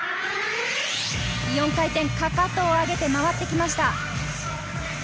４回転、かかとを上げて回ってきました。